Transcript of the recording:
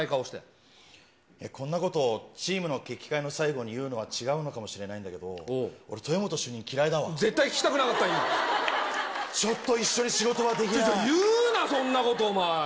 こんなこと、チームの決起会の最後に言うのは違うのかもしれないんだけど、俺、絶対聞きたくなかった、ちょっと一緒に仕事はできな言うな、そんなこと、お前。